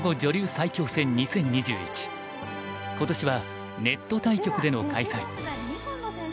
今年はネット対局での開催。